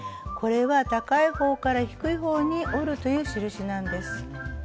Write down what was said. これは「高い方から低い方に折る」という印なんです。